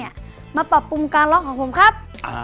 ทีม๓หนุ่ม๓ซ่านะครับ